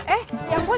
eh ya ampun